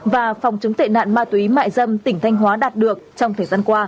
và phòng chống tệ nạn ma túy mại dâm tỉnh thanh hóa đạt được trong thời gian qua